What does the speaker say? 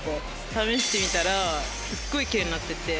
試してみたらすっごいキレイになってて。